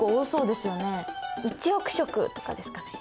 １億色とかですかね。